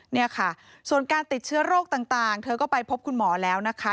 นี่ค่ะส่วนการติดเชื้อโรคต่างเธอก็ไปพบคุณหมอแล้วนะคะ